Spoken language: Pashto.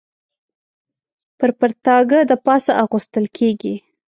پر پرتاګه د پاسه اغوستل کېږي.